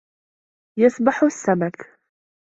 يَسْبَحُ السَّمَكُ.